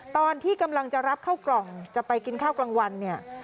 ตอนที่กำลังจะรับเข้ากล่องจะไปกินข้าวกลางวันเนี่ย